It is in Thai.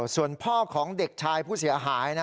ส่วนพ่อของเด็กชายผู้เสียหาย